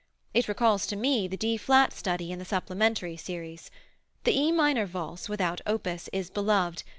It recalls to me the D flat study in the supplementary series. The E minor Valse, without opus, is beloved.